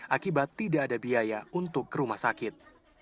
akibat tidak ada biaya untuk ke rumah sakit